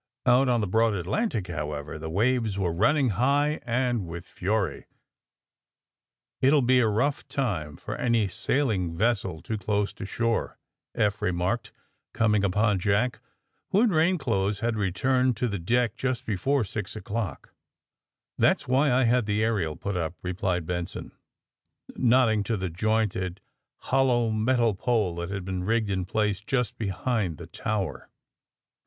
Out on the broad Atlantic, however, the waves were running high and with fury. ^^It will be a rough time for any sailing ves sel too close to shore,'' Eph remarked, coming upon Jack, who, in rain clothes, had returned to the deck just before six o'clock. ^* That's why I had the aerial put up," re plied Benson, nodding to the jointed hollow metal pole that had been rigged in place ju^t behind the tower.